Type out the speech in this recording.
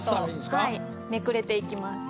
はいめくれていきます。